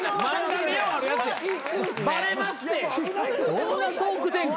どんなトーク展開？